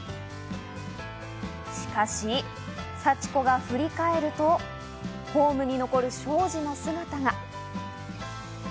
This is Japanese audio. しかし、幸子が振り返ると、ホームに残る章司の姿が。